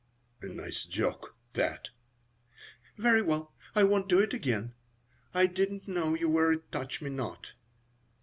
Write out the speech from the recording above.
"A nice joke, that." "Very well, I won't do it again. I didn't know you were a touch me not."